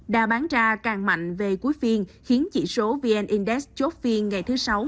đa bán ra càng mạnh về cuối phiên khiến chỉ số vn index chốt phiên ngày thứ sáu